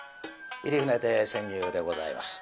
入船亭扇遊でございます。